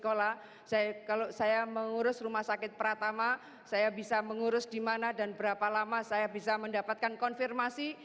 kalau saya mengurus rumah sakit pratama saya bisa mengurus di mana dan berapa lama saya bisa mendapatkan konfirmasi